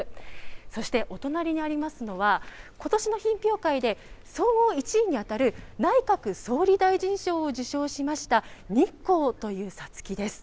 そしてお隣にありますのは、ことしの品評会で総合１位に当たる内閣総理大臣賞を受賞しました、日光というさつきです。